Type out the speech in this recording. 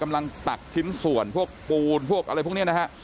ตักชิ้นส่วนพวกปูนพวกอะไรพวกนี้นะฮะ